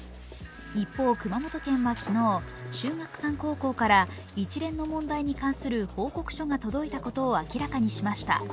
一方、熊本県は昨日、秀岳館高校から一連の問題に関する報告書が届いたことを明らかにしました。